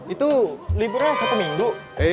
itu liburnya satu minggu